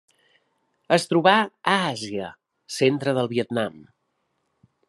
Es troba a Àsia: centre del Vietnam.